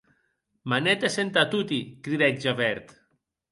Manetes entà toti!, cridèc Javert.